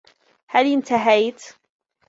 هل إنتهيت؟